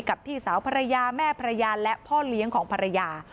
พี่สาวภรรยาแม่ภรรยาและพ่อเลี้ยงของภรรยา